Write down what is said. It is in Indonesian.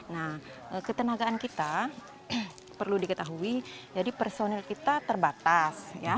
nah ketenagaan kita perlu diketahui jadi personil kita terbatas